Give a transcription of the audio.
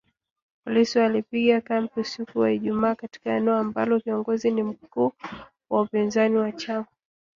Polisi walipiga kambi usiku wa Ijumaa katika eneo ambalo kiongozi ni mkuu wa upinzani wa chama